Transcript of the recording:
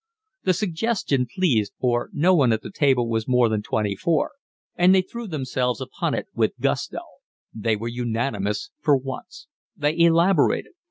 The suggestion pleased, for no one at the table was more than twenty four, and they threw themselves upon it with gusto. They were unanimous for once. They elaborated.